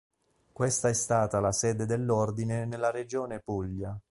Questa è stata la Sede dell'Ordine nella regione Puglia.